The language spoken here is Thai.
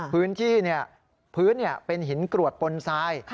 พื้นที่พื้นเป็นหินกรวดปนทราย